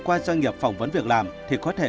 qua doanh nghiệp phỏng vấn việc làm thì có thể